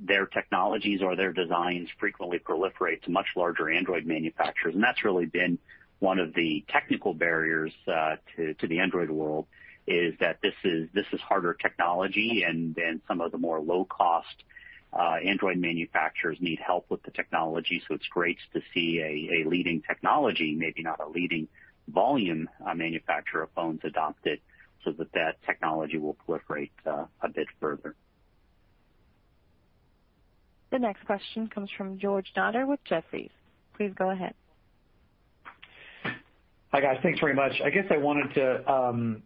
S12: their technologies or their designs frequently proliferate to much larger Android manufacturers. That's really been one of the technical barriers to the Android world, is that this is harder technology, and then some of the more low-cost Android manufacturers need help with the technology. It's great to see a leading technology, maybe not a leading volume manufacturer of phones adopt it so that that technology will proliferate a bit further.
S1: The next question comes from George Notter with Jefferies. Please go ahead.
S13: Hi, guys. Thanks very much. I guess I wanted to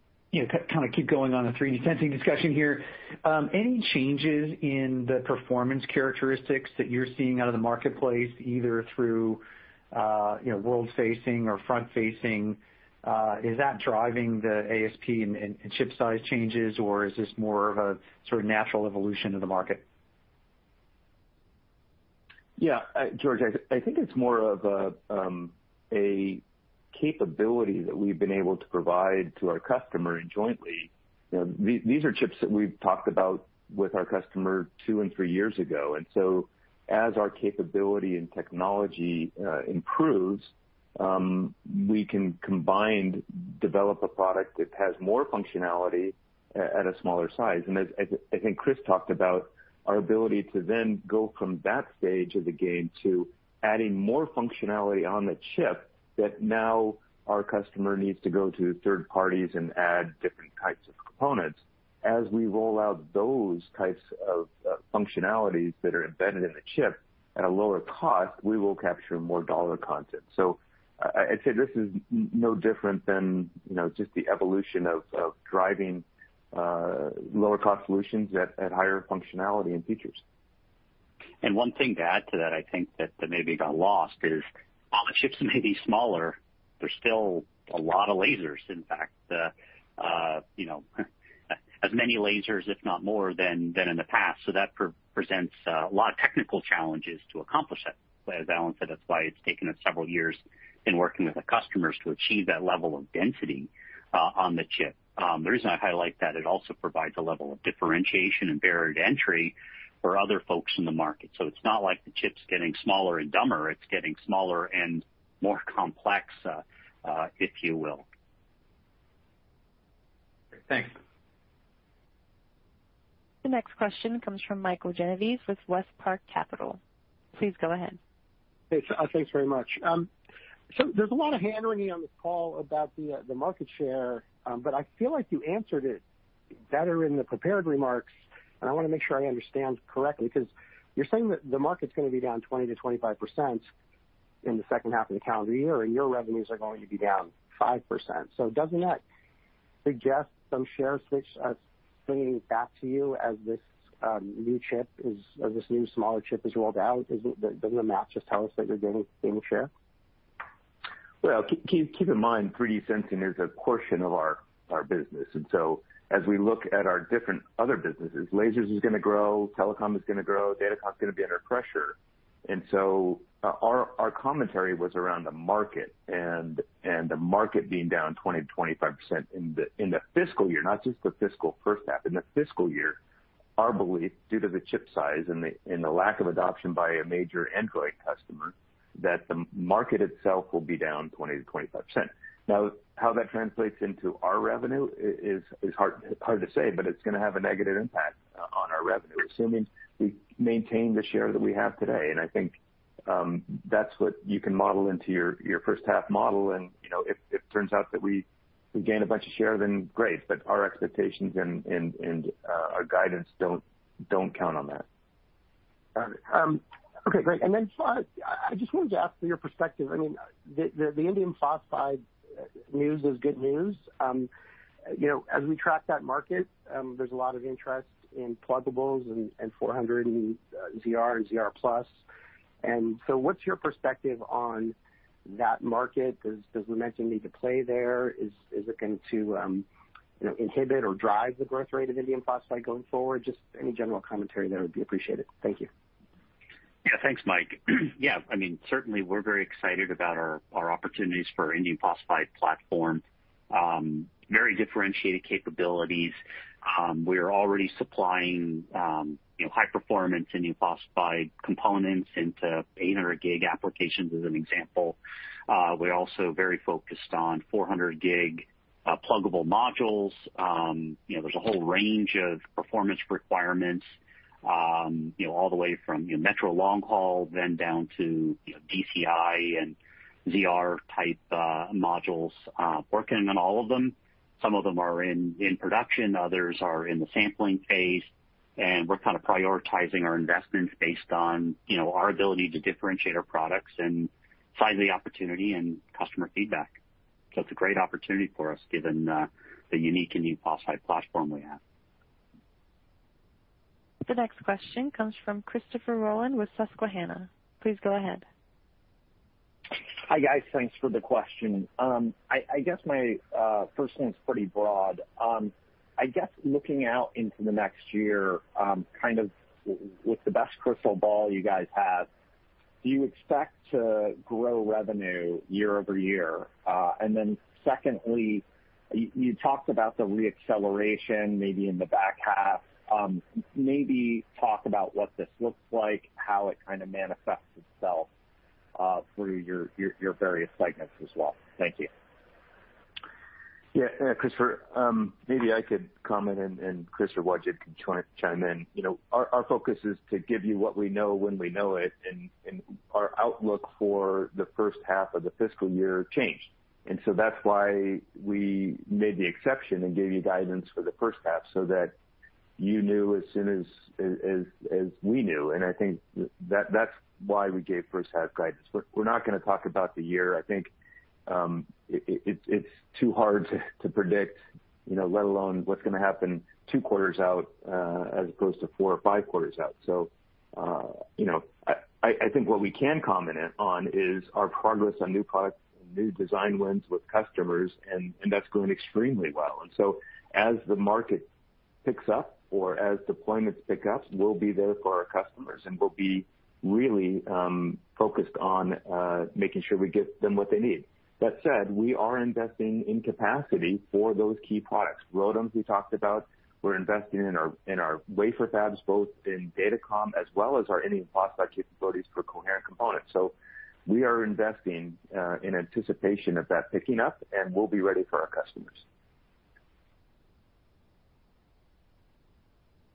S13: keep going on the 3D sensing discussion here. Any changes in the performance characteristics that you're seeing out of the marketplace, either through world-facing or front-facing, is that driving the ASP and chip size changes, or is this more of a sort of natural evolution of the market?
S3: George, I think it's more of a capability that we've been able to provide to our customer jointly. These are chips that we've talked about with our customer two and three years ago. As our capability and technology improves, we can combined develop a product that has more functionality at a smaller size. As, I think, Chris talked about, our ability to then go from that stage of the game to adding more functionality on the chip that now our customer needs to go to third parties and add different types of components. As we roll out those types of functionalities that are embedded in the chip at a lower cost, we will capture more dollar content. I'd say this is no different than just the evolution of driving lower cost solutions at higher functionality and features.
S12: One thing to add to that, I think that maybe got lost is while the chips may be smaller, there's still a lot of lasers. In fact, as many lasers, if not more, than in the past. That presents a lot of technical challenges to accomplish that. As Alan said, that's why it's taken us several years in working with the customers to achieve that level of density on the chip. The reason I highlight that, it also provides a level of differentiation and barrier to entry for other folks in the market. It's not like the chip's getting smaller and dumber. It's getting smaller and more complex, if you will.
S13: Great. Thanks.
S1: The next question comes from Michael Genovese with WestPark Capital. Please go ahead.
S14: Thanks very much. There's a lot of hand-wringing on this call about the market share, but I feel like you answered it better in the prepared remarks, and I want to make sure I understand correctly, because you're saying that the market's going to be down 20%-25% in the second half of the calendar year, and your revenues are going to be down 5%. Doesn't that suggest some share switch is swinging back to you as this new smaller chip is rolled out? Doesn't the math just tell us that you're gaining share?
S3: Well, keep in mind, 3D sensing is a portion of our business. As we look at our different other businesses, lasers is going to grow, telecom is going to grow, datacom is going to be under pressure. Our commentary was around the market and the market being down 20%-25% in the fiscal year, not just the fiscal first half. In the fiscal year, our belief, due to the chip size and the lack of adoption by a major Android customer, that the market itself will be down 20%-25%. Now, how that translates into our revenue is hard to say, but it's going to have a negative impact on our revenue, assuming we maintain the share that we have today. I think that's what you can model into your first half model. If it turns out that we gain a bunch of share, then great, but our expectations and our guidance don't count on that.
S14: Got it. Okay, great. I just wanted to ask for your perspective. The indium phosphide news is good news. As we track that market, there's a lot of interest in pluggables and 400 and ZR and ZR+. What's your perspective on that market? Does Lumentum need to play there? Is it going to inhibit or drive the growth rate of indium phosphide going forward? Just any general commentary there would be appreciated. Thank you.
S12: Thanks, Mike. Certainly, we're very excited about our opportunities for our indium phosphide platform. Very differentiated capabilities. We are already supplying high performance indium phosphide components into 800G applications, as an example. We're also very focused on 400G pluggable modules. There's a whole range of performance requirements all the way from metro long haul, then down to DCI and ZR type modules. Working on all of them. Some of them are in production, others are in the sampling phase, and we're kind of prioritizing our investments based on our ability to differentiate our products and size of the opportunity and customer feedback. It's a great opportunity for us given the unique indium phosphide platform we have.
S1: The next question comes from Christopher Rowland with Susquehanna. Please go ahead.
S15: Hi, guys. Thanks for the question. I guess my first one's pretty broad. I guess looking out into the next year, with the best crystal ball you guys have, do you expect to grow revenue year-over-year? Secondly, you talked about the re-acceleration maybe in the back half. Maybe talk about what this looks like, how it kind of manifests itself through your various segments as well. Thank you.
S3: Yeah. Christopher, maybe I could comment, and Chris or Wajid can chime in. Our focus is to give you what we know when we know it, and our outlook for the first half of the fiscal year changed. That's why we made the exception and gave you guidance for the first half so that you knew as soon as we knew, and I think that's why we gave first half guidance. We're not going to talk about the year. I think it's too hard to predict, let alone what's going to happen two quarters out as opposed to four or five quarters out. I think what we can comment on is our progress on new products and new design wins with customers, and that's going extremely well. As the market picks up or as deployments pick up, we'll be there for our customers, and we'll be really focused on making sure we get them what they need. That said, we are investing in capacity for those key products. ROADMs we talked about. We're investing in our wafer fabs, both in datacom as well as our indium phosphide capabilities for coherent components. We are investing in anticipation of that picking up, and we'll be ready for our customers.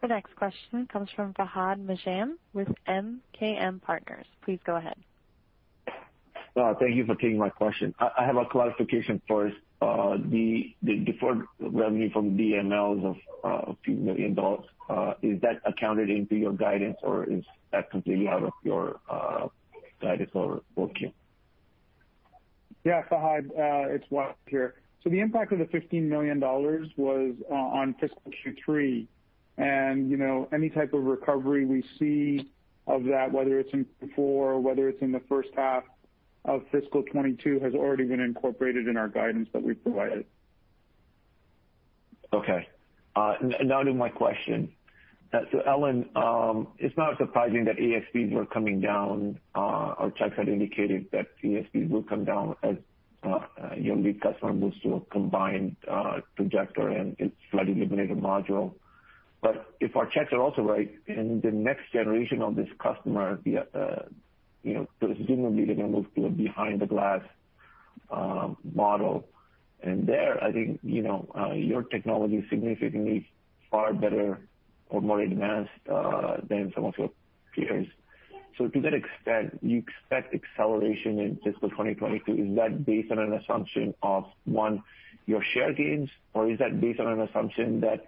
S1: The next question comes from Fahad Najam with MKM Partners. Please go ahead.
S16: Thank you for taking my question. I have a clarification first. The deferred revenue from the EMLs of $15 million, is that accounted into your guidance, or is that completely out of your guidance or booking?
S4: Yeah, Fahad, it's Wajid here. The impact of the $15 million was on fiscal Q3. Any type of recovery we see of that, whether it's in Q4, whether it's in the first half of fiscal 2022, has already been incorporated in our guidance that we've provided.
S16: Okay. Now to my question. Alan, it's not surprising that ASPs were coming down. Our checks had indicated that ASPs will come down as your lead customer moves to a combined projector and flood illuminator module. If our checks are also right, in the next generation of this customer, presumably they're going to move to a behind-the-glass model. There, I think your technology is significantly far better or more advanced than some of your peers. To that extent, you expect acceleration in fiscal 2022. Is that based on an assumption of, one, your share gains, or is that based on an assumption that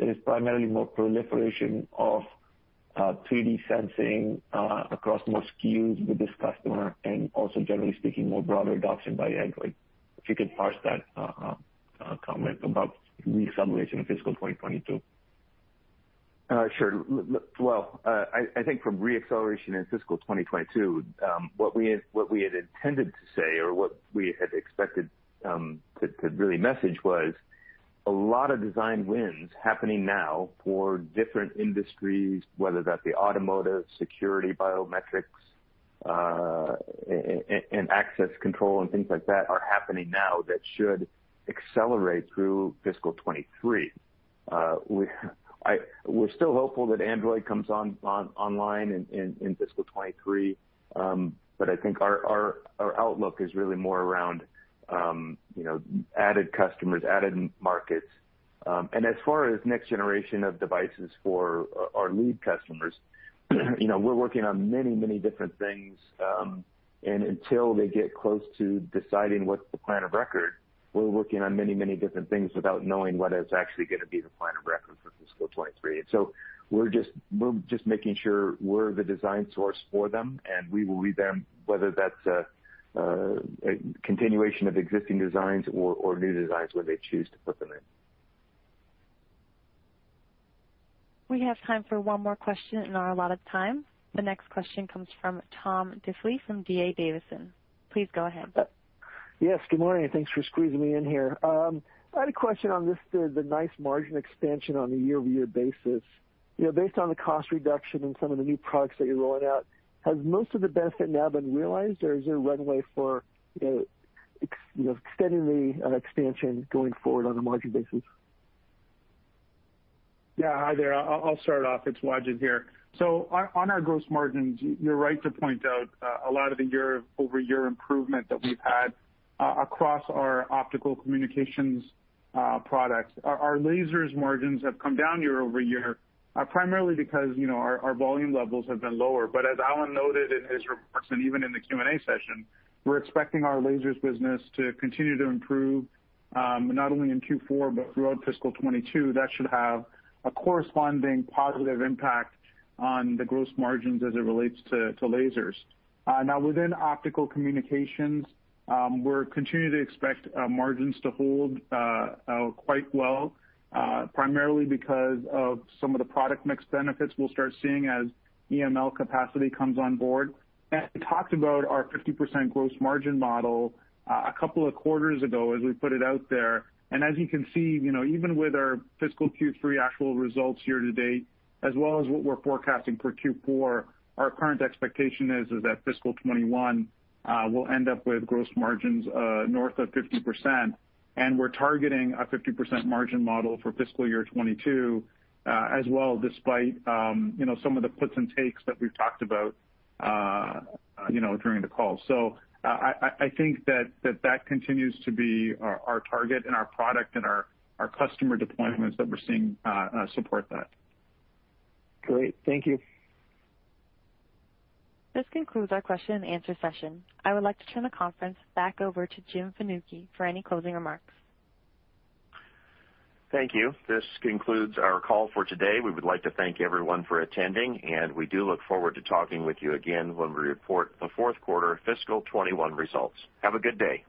S16: there is primarily more proliferation of 3D sensing across more SKUs with this customer and also, generally speaking, more broader adoption by Android? If you could parse that comment about re-acceleration in fiscal 2022.
S3: Sure. Well, I think from re-acceleration in fiscal 2022, what we had intended to say or what we had expected to really message was a lot of design wins happening now for different industries, whether that be automotive, security, biometrics, and access control and things like that are happening now that should accelerate through fiscal 2023. We're still hopeful that Android comes online in fiscal 2023. I think our outlook is really more around added customers, added markets. As far as next generation of devices for our lead customers, we're working on many different things. Until they get close to deciding what's the plan of record, we're working on many different things without knowing whether it's actually going to be the plan of record for fiscal 2023. We're just making sure we're the design source for them, and we will lead them, whether that's a continuation of existing designs or new designs when they choose to put them in.
S1: We have time for one more question in our allotted time. The next question comes from Tom Diffely from D.A. Davidson. Please go ahead.
S17: Yes, good morning. Thanks for squeezing me in here. I had a question on just the nice margin expansion on a year-over-year basis. Based on the cost reduction in some of the new products that you're rolling out, has most of the benefit now been realized, or is there runway for extending the expansion going forward on a margin basis?
S4: Yeah. Hi there. I'll start off. It's Wajid here. On our gross margins, you're right to point out a lot of the year-over-year improvement that we've had across our optical communications products. Our lasers margins have come down year-over-year, primarily because our volume levels have been lower. As Alan noted in his remarks, and even in the Q&A session, we're expecting our lasers business to continue to improve, not only in Q4, but throughout fiscal 2022. That should have a corresponding positive impact on the gross margins as it relates to lasers. Within optical communications, we're continuing to expect margins to hold quite well, primarily because of some of the product mix benefits we'll start seeing as EML capacity comes on board. We talked about our 50% gross margin model a couple of quarters ago as we put it out there. As you can see, even with our fiscal Q3 actual results year to date, as well as what we're forecasting for Q4, our current expectation is that fiscal 2021 will end up with gross margins north of 50%, we're targeting a 50% margin model for fiscal year 2022 as well, despite some of the puts and takes that we've talked about during the call. I think that continues to be our target and our product and our customer deployments that we're seeing support that.
S17: Great. Thank you.
S1: This concludes our question and answer session. I would like to turn the conference back over to Jim Fanucchi for any closing remarks.
S2: Thank you. This concludes our call for today. We would like to thank everyone for attending, and we do look forward to talking with you again when we report the fourth quarter fiscal 2021 results. Have a good day.